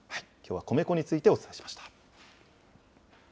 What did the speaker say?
きょうは米粉についてお伝えしました。